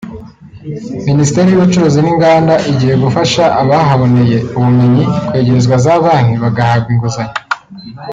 Minisiteri y’ubucuruzi n’inganda igiye gufasha abahaboneye ubumenyi kwegerezwa za banki bagahabwa inguzanyo